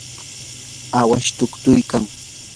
awash tuktuykan.